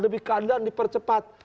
lebih keadilan dipercepat